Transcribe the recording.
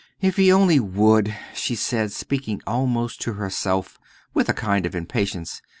"If he only would!" she said, speaking almost to herself, with a kind of impatience.